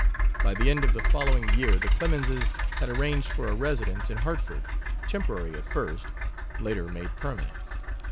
By the end of the following year the Clemenses had arranged for a residence in Hartford, temporary at first, later made permanent.